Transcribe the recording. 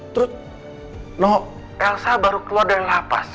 terus no elsa baru keluar dari lapas